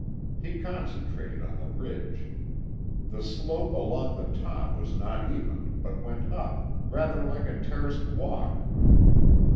He concentrated on the ridge. The slope along the top was not even but went up, rather like a terraced walk.